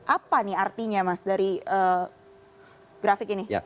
apa nih artinya mas dari grafik ini